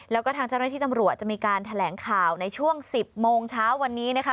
แล้วก็ทางเจ้าหน้าที่ตำรวจจะมีการแถลงข่าวในช่วง๑๐โมงเช้าวันนี้นะคะ